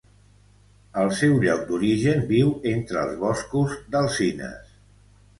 Al seu lloc d'origen viu entre els boscos d'alzines.